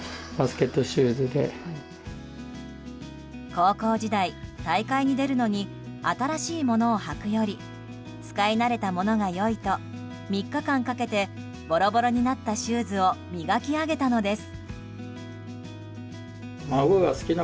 高校時代、大会に出るのに新しいものを履くより使い慣れたものが良いと３日間かけてボロボロになったシューズを磨き上げたのです。